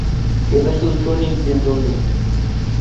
এটা শুধু সৈনিকদের জন্য।